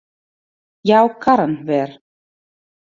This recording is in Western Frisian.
Jou karren wer.